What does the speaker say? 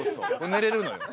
寝れるのよ。